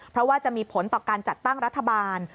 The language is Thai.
เพราะว่าจะมีผลต่อการจัดตั้งรัฐบาล